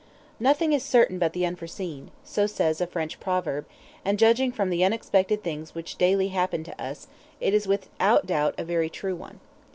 "Nothing is certain but the unforeseen;" so says a French proverb, and judging from the unexpected things which daily happen to us, it is without doubt a very true one.